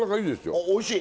あおいしい？